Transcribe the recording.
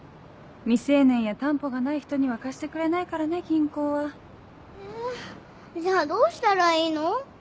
未成年や担保がない人には貸してくれないからね銀行は。えじゃあどうしたらいいの？